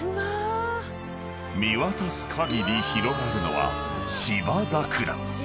［見渡す限り広がるのは芝桜］